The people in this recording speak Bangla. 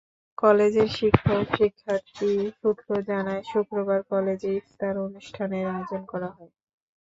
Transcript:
কলেজের শিক্ষক, শিক্ষার্থী সূত্র জানায়, শুক্রবার কলেজে ইফতার অনুষ্ঠানের আয়োজন করা হয়।